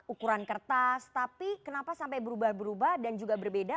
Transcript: ukuran kertas tapi kenapa sampai berubah berubah dan juga berbeda